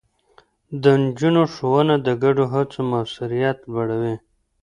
د نجونو ښوونه د ګډو هڅو موثريت لوړوي.